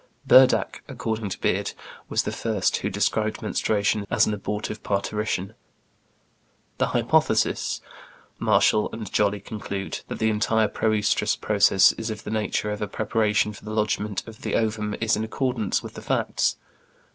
Burdach (according to Beard) was the first who described menstruation as an abortive parturition. "The hypothesis," Marshall and Jolly conclude, "that the entire pro oestrous process is of the nature of a preparation for the lodgment of the ovum is in accordance with the facts."